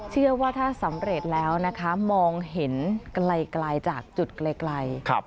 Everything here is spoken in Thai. เชื่อว่าถ้าสำเร็จแล้วนะคะมองเห็นไกลจากจุดไกล